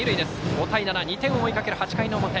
５対７、２点を追いかける８回の表。